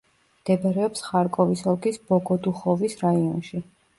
მდებარეობს ხარკოვის ოლქის ბოგოდუხოვის რაიონში.